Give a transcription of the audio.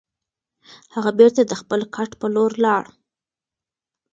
هغه بېرته د خپل کټ په لور لاړ.